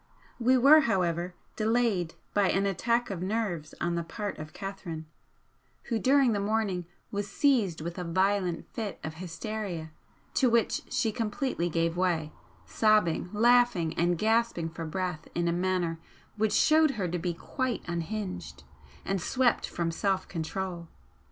We were, however, delayed by an 'attack of nerves' on the part of Catherine, who during the morning was seized with a violent fit of hysteria to which she completely gave way, sobbing, laughing and gasping for breath in a manner which showed her to be quite unhinged and swept from self control.